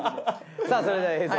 さあそれでは映像